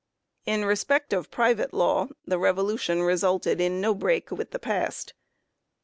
In respect of private law the Revolution resulted in no break with the past.